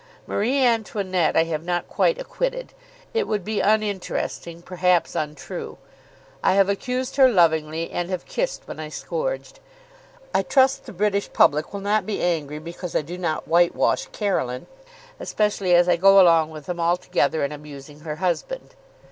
Marie Antoinette I have not quite acquitted. It would be uninteresting; perhaps untrue. I have accused her lovingly, and have kissed when I scourged. I trust the British public will not be angry because I do not whitewash Caroline, especially as I go along with them altogether in abusing her husband.